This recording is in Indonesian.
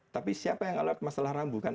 tapi siapa yang alat masalah rambu kan